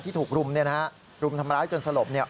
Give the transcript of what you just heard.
ถูกรุมเนี่ยนะฮะรุมทำร้ายจนสลบเนี่ย